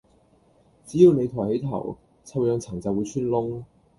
只要你抬起頭，臭氧層就會穿窿